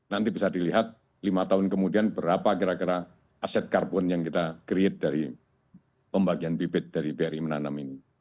nanti bisa dilihat lima tahun kemudian berapa kira kira aset karbon yang kita create dari pembagian bibit dari bri menanam ini